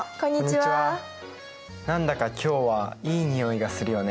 何だか今日はいい匂いがするよね。